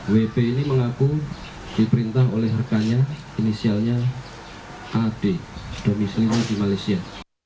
wp ini mengaku diperintah oleh rekannya inisialnya ad domisilinya di malaysia